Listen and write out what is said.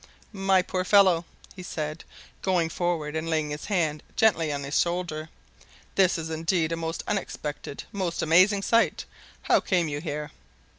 "My poor fellow," he said, going forward and laying his hand gently on his shoulder, "this is indeed a most unexpected, most amazing sight. How came you here?"